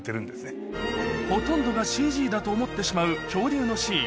ほとんどがＣＧだと思ってしまう恐竜のシーン